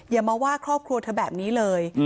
อย่ามาว่าครอบครัวเธอแบบนี้เลย